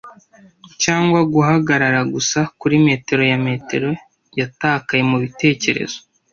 cyangwa guhagarara gusa kuri metero ya metero, yatakaye mubitekerezo